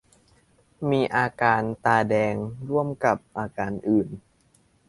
มีอาการตาแดงร่วมกับอาการอื่น